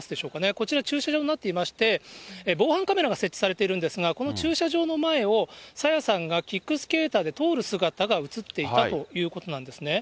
こちら駐車場になっていまして、防犯カメラが設置されてるんですが、この駐車場の前を、朝芽さんがキックスケーターで通る姿が写っていたということなんですね。